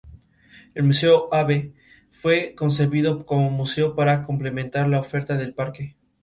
Sin embargo el servicio militar lo requiere en Coronda, provincia de Santa Fe.